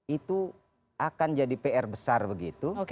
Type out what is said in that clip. itu akan jadi pr besar begitu